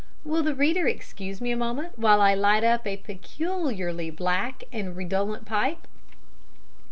(Will the reader excuse me a moment while I light up a peculiarly black and redolent pipe?)